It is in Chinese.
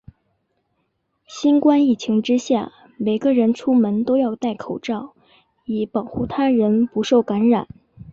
新冠疫情之下，每个人出门都要带口罩，以保护他人不受感染。